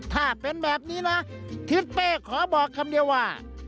ถ้าเป็นแบบนี้นะทิศเป้ขอบอกคำเดียวว่า